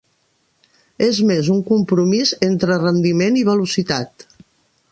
És més un compromís entre rendiment i velocitat.